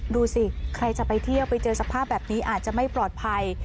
ดูสิใครจะไปเที่ยวไปเจอสภาพแบบนี้อาจจะไม่ปลอดภัย